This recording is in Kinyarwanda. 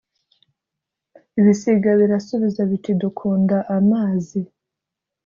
ibisiga birasubiza biti dukunda amazi